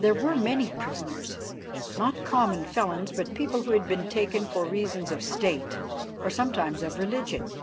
There were many prisoners, not common felons, but people who had been taken for reasons of State or sometimes of religion.